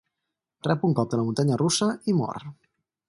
Rep un cop de la muntanya russa i mor.